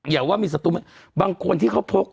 อย่าว่ามีสตูไหมบางคนที่เขาพก